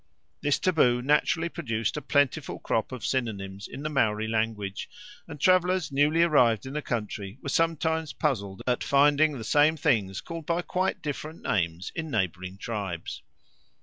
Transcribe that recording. This taboo naturally produced a plentiful crop of synonyms in the Maori language, and travellers newly arrived in the country were sometimes puzzled at finding the same things called by quite different names in neighbouring tribes.